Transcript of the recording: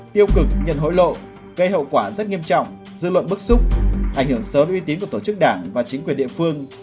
tiêu cực nhận hối lộ gây hậu quả rất nghiêm trọng dư luận bức xúc ảnh hưởng sớm uy tín của tổ chức đảng và chính quyền địa phương